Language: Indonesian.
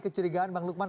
kecurigaan bang lukman